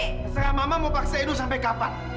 terserah mama mau paksa edo sampai kapan